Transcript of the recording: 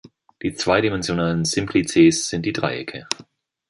Die zweidimensionalen Simplizes sind die Dreiecke.